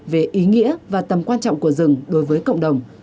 về ý nghĩa và tầm quan trọng của rừng đối với cộng đồng